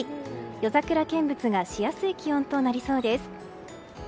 夜桜見物がしやすい気温となりそうです。